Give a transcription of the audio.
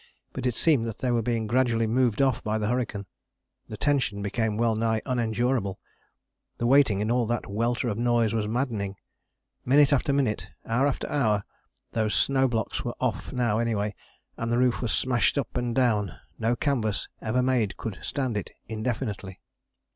But it seemed that they were being gradually moved off by the hurricane. The tension became well nigh unendurable: the waiting in all that welter of noise was maddening. Minute after minute, hour after hour those snow blocks were off now anyway, and the roof was smashed up and down no canvas ever made could stand it indefinitely.